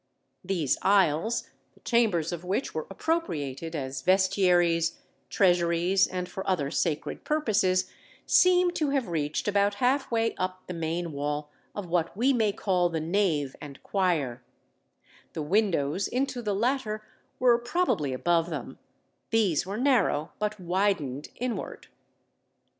These aisles, the chambers of which were appropriated as vestiaries, treasuries, and for other sacred purposes, seem to have reached about half way up the main wall of what we may call the nave and choir: the windows into the latter were probably above them; these were narrow, but widened inward.